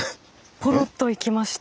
ポロッといきました。